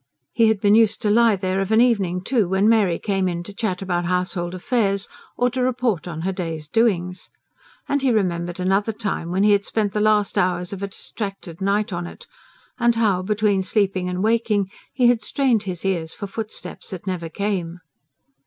He had been used to lie there of an evening, too, when Mary came in to chat about household affairs, or report on her day's doings. And he remembered another time, when he had spent the last hours of a distracted night on it ... and how, between sleeping and waking, he had strained his ears for footsteps that never came.